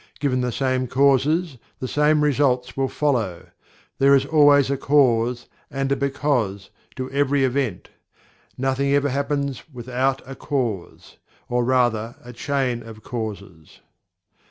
Given the same causes, the same results will follow. There is always a "cause" and a "because" to every event. Nothing ever "happens" without a cause, or rather a chain of causes.